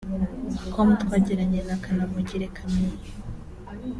com twagiranye na Kanamugire Camille